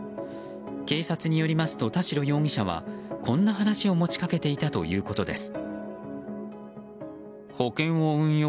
警察によりますと田代容疑者はこんな話を持ち掛けていたということです。